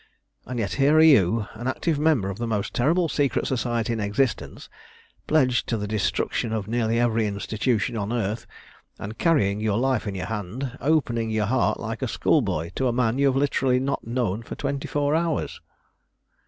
And yet here are you, an active member of the most terrible secret society in existence, pledged to the destruction of nearly every institution on earth, and carrying your life in your hand, opening your heart like a schoolboy to a man you have literally not known for twenty four hours.